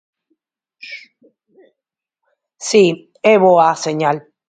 Si, é boa a señal.